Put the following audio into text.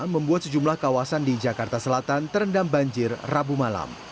membuat sejumlah kawasan di jakarta selatan terendam banjir rabu malam